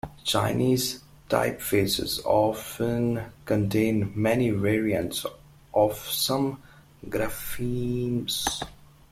Chinese typefaces often contain many variants of some graphemes.